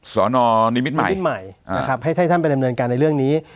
สวนอนิมิตใหม่สวนอนิมิตใหม่นะครับให้ให้ท่านไปเรียบเนินการในเรื่องนี้